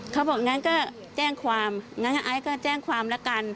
เขาบอกงั้นก็แจ้งความงั้นไอซ์ก็แจ้งความละกัน